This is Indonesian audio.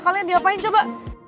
kalian diapain coba